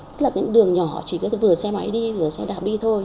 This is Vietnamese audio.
tức là những đường nhỏ chỉ có thể vừa xe máy đi vừa xe đạp đi thôi